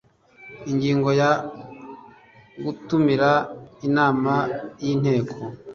Ingingo ya gutumira inama y inteko